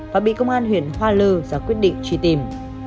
và bị công an huyện hoa lư ra quyết định truy tìm